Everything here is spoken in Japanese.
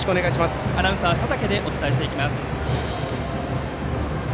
アナウンサー、佐竹でお伝えしていきます。